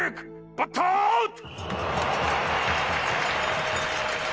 バッターアウト！